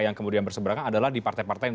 yang kemudian berseberang adalah di partai partai